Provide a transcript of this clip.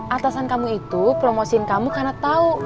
atasan kamu itu promosiin kamu karena tahu